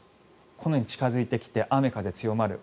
このように近付いてきて雨、風強まる。